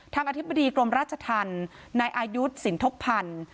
อธิบดีกรมราชธรรมนายอายุสินทบพันธ์